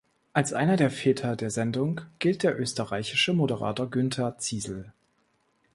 Als einer der Väter der Sendung gilt der österreichische Moderator Günther Ziesel.